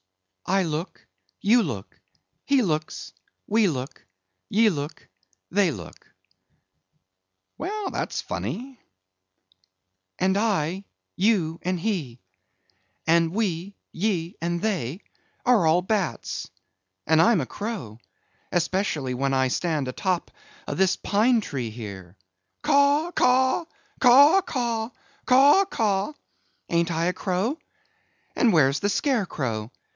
"I look, you look, he looks; we look, ye look, they look." "Well, that's funny." "And I, you, and he; and we, ye, and they, are all bats; and I'm a crow, especially when I stand a'top of this pine tree here. Caw! caw! caw! caw! caw! caw! Ain't I a crow? And where's the scare crow?